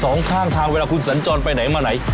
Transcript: สองข้างทางเวลาคุณสัญจรไปไหนมาไหน